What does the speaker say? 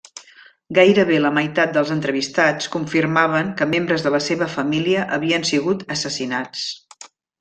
Gairebé la meitat dels entrevistats confirmaven que membres de la seva família havien sigut assassinats.